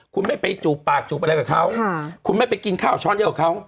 คุณไม่ไปจูบปากจูบอะไรกับเขาคุณไม่ไปกินข้าวช้อนเดียวกับเขา